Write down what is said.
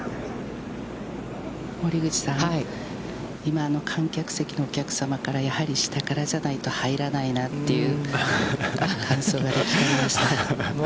森口さん、今、観客席のお客様からやはり下じゃないと入らないなっていう感想が出ました。